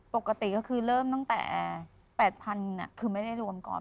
ปกติก็คือเริ่มตั้งแต่๘๐๐๐คือไม่ได้รวมก่อน